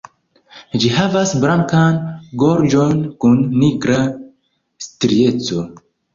Ĝi havas blankan gorĝon kun nigra strieco.